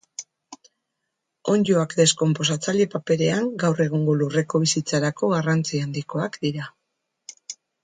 Onddoak, deskonposatzaile paperean, gaur egungo lurreko bizitzarako garrantzi handikoak dira.